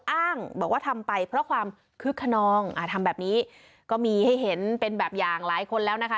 อ้างบอกว่าทำไปเพราะความคึกขนองอ่าทำแบบนี้ก็มีให้เห็นเป็นแบบอย่างหลายคนแล้วนะคะ